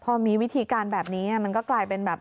พอมีวิธีการแบบนี้มันก็กลายเป็นแบบ